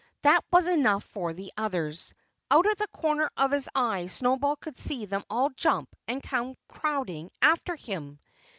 That was enough for the others. Out of the corner of his eye Snowball could see them all jump and come crowding after him.